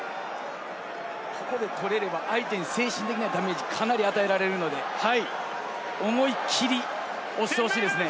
ここで取れれば相手に精神的なダメージをかなり与えられるので、思いっきり押してほしいですね。